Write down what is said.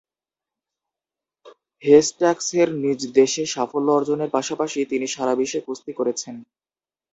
হেস্ট্যাকসের নিজ দেশে সাফল্য অর্জনের পাশাপাশি তিনি সারা বিশ্বে কুস্তি করেছেন।